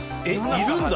いるんだ。